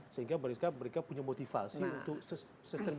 sehingga mereka punya motivasi untuk sistem